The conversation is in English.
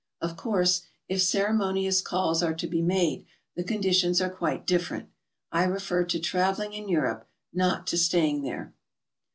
Of course, if ceremonious calls are to be made, the conditions are quite different; I refer to traveling in Europe, not to staying there.